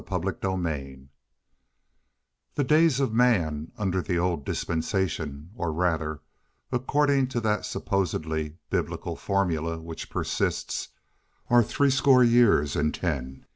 CHAPTER LXI The days of man under the old dispensation, or, rather, according to that supposedly biblical formula, which persists, are threescore years and ten.